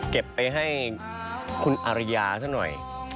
เก็บไปให้คุณอาริยาซะหน่อย